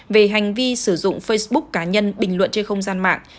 về hành vi sử dụng facebook cá nhân bình luận trên không gian mạng